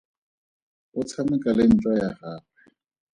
O tshameka le ntšwa ya gagwe.